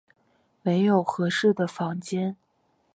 没有适合的房间